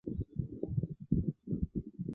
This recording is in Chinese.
只有中间一段适合高解析通道。